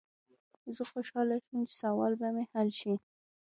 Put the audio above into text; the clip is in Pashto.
زه خوشحاله شوم چې سوال به مې حل شي.